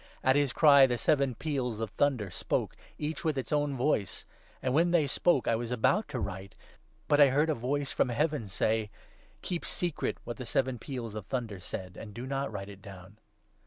At his cry the seven peals of thunder spoke, each with its own voice. And, when they spoke, I was about to write ; but I heard a voice from Heaven say —•' Keep secret what the seven peals of thunder said, and do not write it down.'